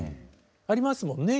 ありますもんね